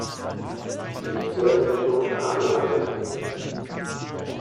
Militärfriedhof Pradl angelegt.